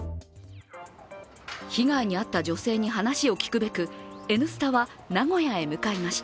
被害に遭った女性に話を聞くべく「Ｎスタ」は名古屋へ向かいました。